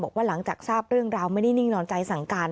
บอกว่าหลังจากทราบเรื่องราวไม่ได้นิ่งนอนใจสั่งการ